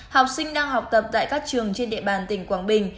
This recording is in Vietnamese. học sinh đang học tập tại các trường trên địa bàn tỉnh quảng bình